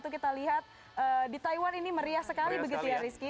kita lihat di taiwan ini meriah sekali begitu ya rizky